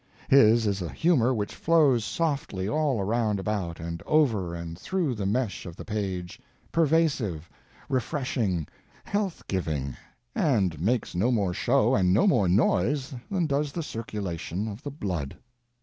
His is a humor which flows softly all around about and over and through the mesh of the page, pervasive, refreshing, health giving, and makes no more show and no more noise than does the circulation of the blood.